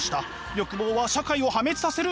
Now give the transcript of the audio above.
欲望は社会を破滅させる！